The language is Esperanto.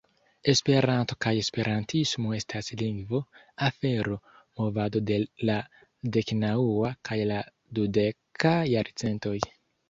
Esperanto kaj esperantismo estas lingvo, afero, movado de la deknaŭa kaj la dudeka jarcentoj.